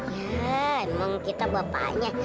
ya emang kita bapaknya